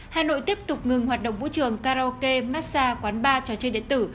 hà nội tiếp tục ngừng hoạt động vũ trường karaoke massage quán bar trò chơi điện tử